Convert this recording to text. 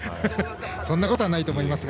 そんなことはないと思いますが。